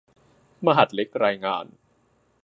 มหาดเล็กรายงาน